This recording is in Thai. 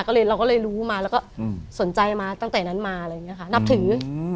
ก็เลยเราก็เลยรู้มาแล้วก็สนใจมาตั้งแต่นั้นมาอะไรอย่างนี้ค่ะนับถือ